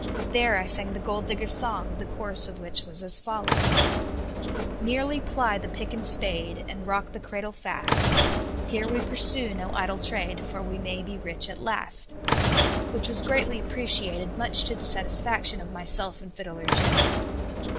There I sang the Gold Digger's Song, the chorus of which was as follows: "Merely ply the pick and spade, And rock the cradle fast; Here we pursue no idle trade, For we may be rich at last." which was greatly appreciated much to the satisfaction of myself and Fiddler Jim.